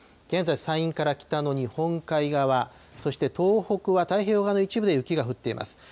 現在、山陰から北の日本海側、そして東北は太平洋側の一部で雪が降っています。